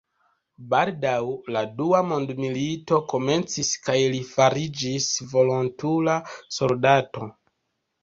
Baldaŭ la dua mond-milito komencis kaj li fariĝis volontula soldato.